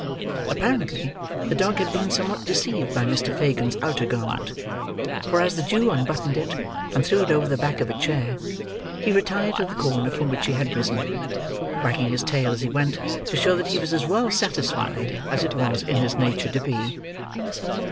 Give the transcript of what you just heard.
Apparently, the dog had been somewhat deceived by Mr. Fagin's outer garment; for as the Jew unbuttoned it, and threw it over the back of a chair, he retired to the corner from which he had risen: wagging his tail as he went, to show that he was as well satisfied as it was in his nature to be.